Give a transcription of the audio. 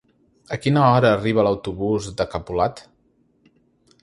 A quina hora arriba l'autobús de Capolat?